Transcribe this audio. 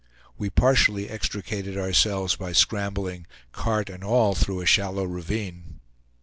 We partially extricated ourselves by scrambling, cart and all, through a shallow ravine.